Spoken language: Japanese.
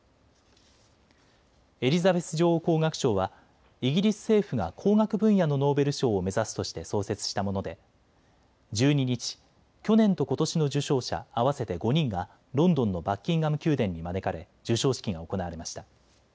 エリザベス女王工学賞はイギリス政府が工学分野のノーベル賞を目指すとして創設したもので１２日、去年とことしの受賞者合わせて５人がロンドンのバッキンガム宮殿に招かれ授賞式が行われました。